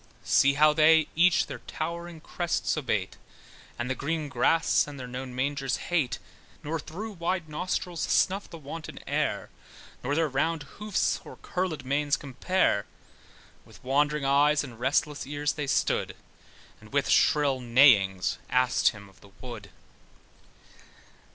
See how they each his towering crest abate, And the green grass, and their known mangers hate, Nor through wide nostrils snuff the wanton air, Nor their round hoofs, or curlèd manes compare; With wandering eyes, and restless ears they stood, And with shrill neighings asked him of the wood.